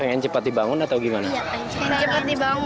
pengen cepat dibangun atau gimana